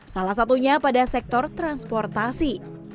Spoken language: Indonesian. salah satunya pada sektor transportasi